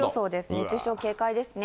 熱中症警戒ですね。